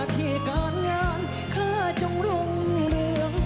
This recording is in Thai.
ที่การงานค่าจงรุ่งเรือง